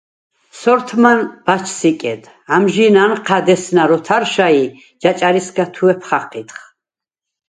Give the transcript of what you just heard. სორთმან ბა̈ჩს იკედ, ამჟი̄ნ ანჴა̈დხ ესნა̈რ ოთარშა ი ჯაჭა̈რისგა თუ̂ეფ ხაჴიდხ.